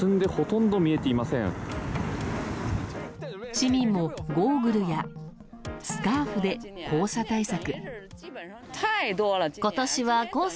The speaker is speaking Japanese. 市民も、ゴーグルやスカーフで黄砂対策。